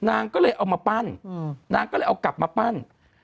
นางก็เลยเอามาปั้นนางก็เลยเอากลับมาปั้น